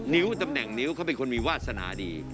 นิ้วตำแหน่งนิ้วเขาเป็นคนมีวาสนาดี